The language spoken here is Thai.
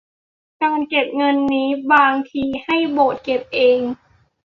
การเก็บเงินนี้บางที่ให้โบสถ์เก็บเอง